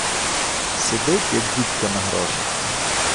Сидить, як дідько на грошах.